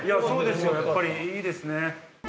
やっぱりいいですね。